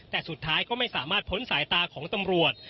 แต่สุดท้ายก็ไม่สามารถพ้นสายตาของตำรวจ